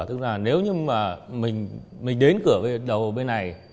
tức là nếu như mình đến cửa với đầu bên này